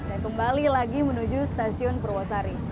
dan kembali lagi menuju stasiun purwasari